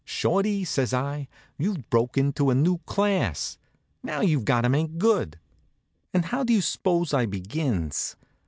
"Shorty," says I, "you've broke into a new class. Now you've got to make good." And how do you s'pose I begins?